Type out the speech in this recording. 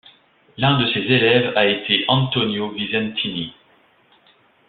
L'un de ses élèves a été Antonio Visentini.